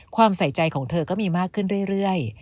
ใส่ใจของเธอก็มีมากขึ้นเรื่อย